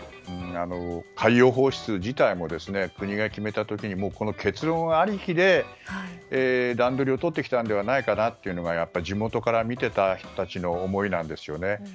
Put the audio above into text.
海洋放出自体も国が決めた時にもう、この結論ありきで段取りをとってきたのではないかなというのがやっぱり地元から見てた人たちの思いなんですよね。